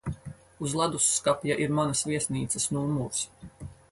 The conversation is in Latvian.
Uz ledusskapja ir manas viesnīcas numurs.